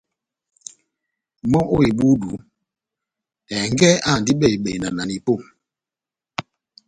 Mɔ́ ó ebúdu, ɛngɛ́ áhandi bɛhi-bɛhi na nanipó